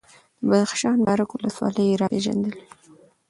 د بدخشان بارک ولسوالي یې راپېژندلې،